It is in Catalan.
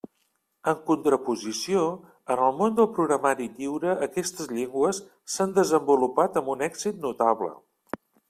En contraposició, en el món del programari lliure aquestes llengües s'han desenvolupat amb un èxit notable.